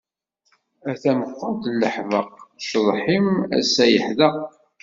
A tameqqunt n leḥbaq, ccḍeḥ-im ass-a yeḥdeq.